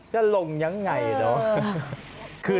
ก็ลงยังไงเนาะ